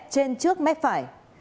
trên trước mép phải